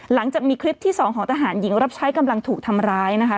หลังจากมีคลิปที่สองของทหารหญิงรับใช้กำลังถูกทำร้ายนะคะ